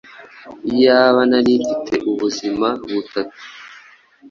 Iyaba narimfite ubuzima butatu,